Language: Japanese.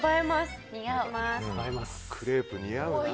クレープ、似合うな。